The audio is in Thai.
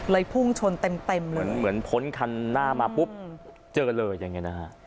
พุ่งชนเต็มเลยเหมือนพ้นคันหน้ามาปุ๊บเจอเลยอย่างนี้นะฮะ